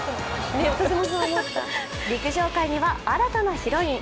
陸上界には新たなヒロイン。